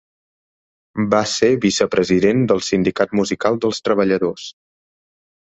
Va ser vicepresident del Sindicat Musical dels Treballadors.